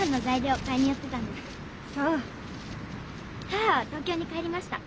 母は東京に帰りました。